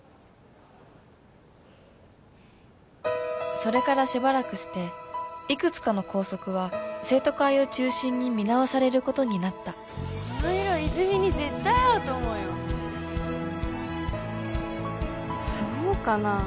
それからしばらくしていくつかの校則は生徒会を中心に見直されることになったこの色泉に絶対合うと思うよそうかな？